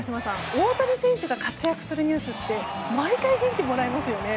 大谷選手が活躍するニュースって毎回元気もらいますよね。